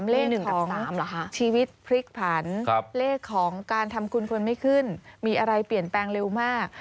เลข๑กับ๓เหรอคะชีวิตพลิกผันเลขของการทำคุณคนไม่ขึ้นมีอะไรเปลี่ยนแปลงเร็วมาก